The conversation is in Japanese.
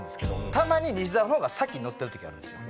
たまに西澤のほうが先に乗ってる時あるんですよ。